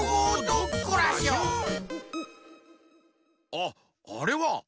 あっあれは！